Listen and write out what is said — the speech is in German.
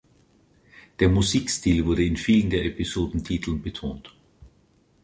Der Musikstil wurde in vielen der Episodentitel betont.